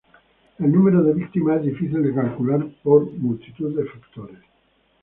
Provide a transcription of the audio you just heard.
El número de víctimas es difícil de calcular por multitud de factores.